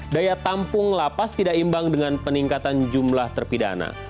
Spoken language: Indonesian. daya tampung lapas tidak imbang dengan peningkatan jumlah terpidana